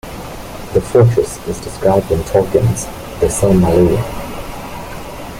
The fortress is described in Tolkien's "The Silmarillion".